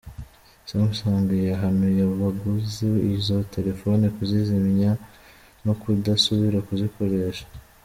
Samsung yahanuye abaguze izo telefone kuzizimya no kudasubira kuzikoresha.